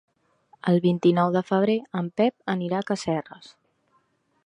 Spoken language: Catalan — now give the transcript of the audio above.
El vint-i-nou de febrer en Pep anirà a Casserres.